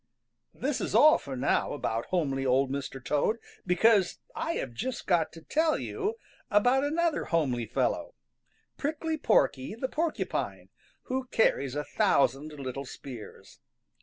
This is all for now about homely Old Mr. Toad, because I have just got to tell you about another homely fellow, Prickly Porky the Porcupine, who carries a thousand little spears.